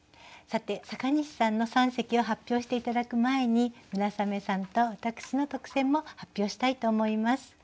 さて阪西さんの三席を発表して頂く前に村雨さんと私の特選も発表したいと思います。